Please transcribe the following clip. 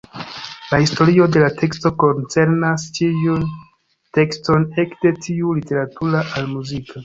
La historio de la teksto koncernas ĉiun tekston, ekde tiu literatura al muzika.